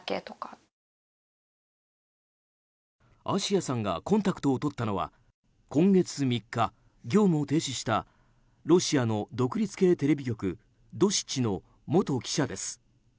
あしやさんがコンタクトをとったのは今月３日、業務を停止したロシアの独立系テレビ局ドシチの元記者です。